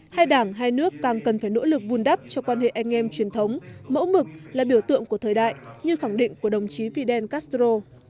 hai đảng hai nước càng cần phải nỗ lực vun đắp cho quan hệ anh em truyền thống mẫu mực là biểu tượng của thời đại như khẳng định của đồng chí fidel castro